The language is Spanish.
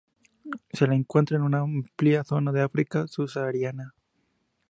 Se la encuentra en una amplia zona de África subsahariana.